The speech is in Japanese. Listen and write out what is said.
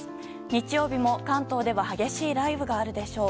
日曜日も関東では激しい雷雨があるでしょう。